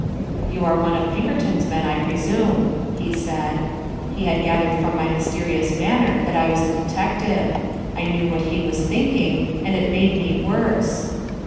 "You are one of Pinkerton's men, I presume," he said. He had gathered from my mysterious manner that I was a detective. I knew what he was thinking, and it made me worse.